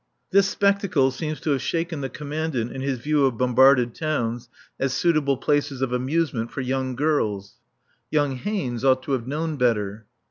This spectacle seems to have shaken the Commandant in his view of bombarded towns as suitable places of amusement for young girls. Young Haynes ought to have known better.